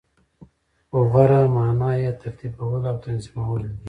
خو غوره معنا یی ترتیبول او تنظیمول دی .